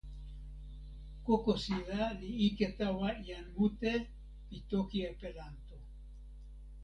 kokosila li ike tawa jan mute pi toki Epelanto.